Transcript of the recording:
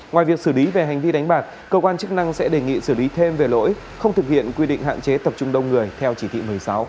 ngoài việc xử lý về hành vi đánh bạc cơ quan chức năng sẽ đề nghị xử lý thêm về lỗi không thực hiện quy định hạn chế tập trung đông người theo chỉ thị một mươi sáu